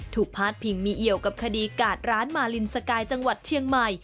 พาดพิงมีเอี่ยวกับคดีกาดร้านมาลินสกายจังหวัดเชียงใหม่